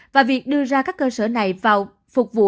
và việc đưa ra các cơ sở này vào phục vụ